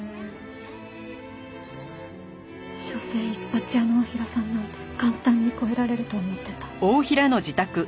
しょせん一発屋の太平さんなんて簡単に超えられると思ってた。